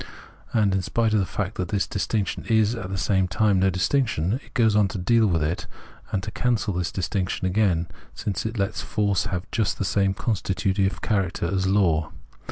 And in spite of the fact that this distinction is at the same time no distinction, it goes on to deal with it and to cancel this distinction again, since it lets force have just the same constitutive character as law.